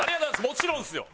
もちろんですよ！